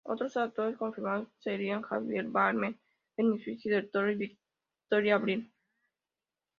Otros actores confirmados serían Javier Bardem, Benicio del Toro y Victoria Abril.